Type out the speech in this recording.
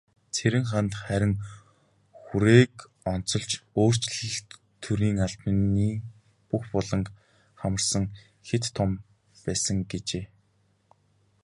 Цэрэнханд харин хүрээг онцолж, "өөрчлөлт төрийн албаны бүх буланг хамарсан хэт том байсан" гэжээ.